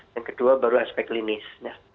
yang kedua baru aspek klinis